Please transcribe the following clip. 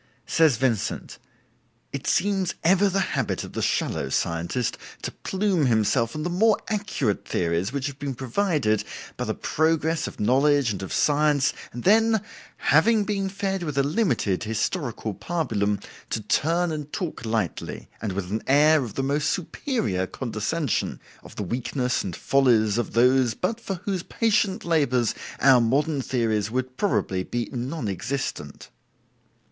Says Vincent: "It seems ever the habit of the shallow scientist to plume himself on the more accurate theories which have been provided for him by the progress of knowledge and of science, and then, having been fed with a limited historical pabulum, to turn and talk lightly, and with an air of the most superior condescension, of the weakness and follies of those but for whose patient labors our modern theories would probably be non existent."